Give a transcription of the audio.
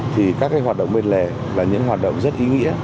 thì các cái hoạt động bên lề là những hoạt động rất ý nghĩa